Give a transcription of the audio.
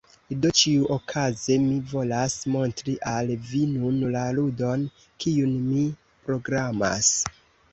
Do ĉiuokaze mi volas montri al vi nun la ludon, kiun mi programas.